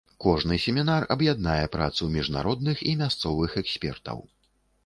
Кожны семінар аб'яднае працу міжнародных і мясцовых экспертаў.